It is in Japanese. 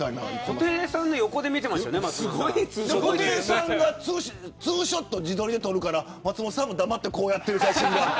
布袋さんの横で布袋さんがツーショット自撮りで撮るから松本さんも黙ってこうやってる写真が。